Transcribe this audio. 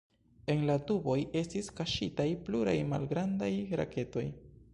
En la tuboj estis kaŝitaj pluraj malgrandaj raketoj.